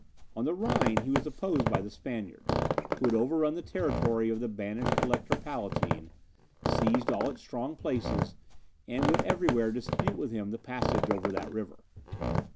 On the Rhine he was opposed by the Spaniards, who had overrun the territory of the banished Elector Palatine, seized all its strong places, and would everywhere dispute with him the passage over that river.